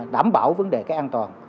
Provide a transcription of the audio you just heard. đảm bảo vấn đề cái an toàn